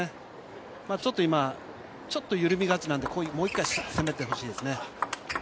ちょっと今、緩みがちなのでもう一回、攻めてほしいですね。